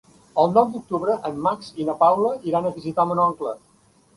El nou d'octubre en Max i na Paula iran a visitar mon oncle.